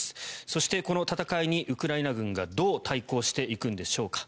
そして、この戦いにウクライナ軍がどう対抗していくのでしょうか。